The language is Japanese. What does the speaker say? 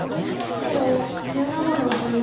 白１７の十七。